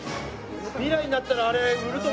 未来になったらあれ売ると思ってた。